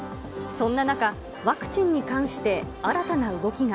そんな中、ワクチンに関して新たな動きが。